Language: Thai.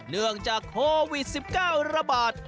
เนื่องจากโควิด๑๙ระบาด